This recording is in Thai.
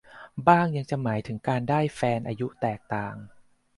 บ้างยังจะหมายถึงการได้แฟนอายุแตกต่าง